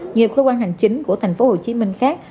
nhiều khối quan hành chính của tp hcm khác